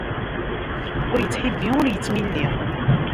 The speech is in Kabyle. Ur ittḥibbi, ur ittmilli.